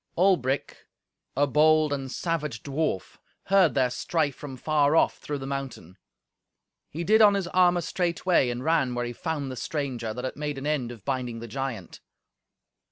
Albric, a bold and savage dwarf, heard their strife from far off through the mountain. He did on his armour straightway, and ran where he found the stranger, that had made an end of binding the giant.